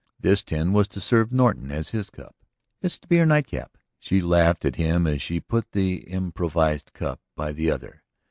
This tin was to serve Norton as his cup. "It's to be our night cap," she laughed at him as she put the improvised cup by the other.